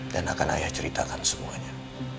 dan akan ayah ceritakan semuanya